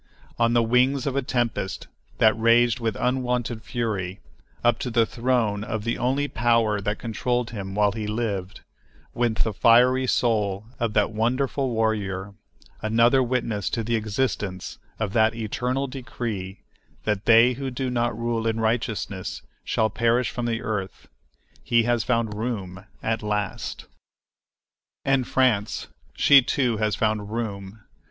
On the wings of a tempest that raged with unwonted fury, up to the throne of the only Power that controlled him while he lived, went the fiery soul of that wonderful warrior, another witness to the existence of that eternal decree that they who do not rule in righteousness, shall perish from the earth. He has found "room" at last. And France,—she, too, has found "room."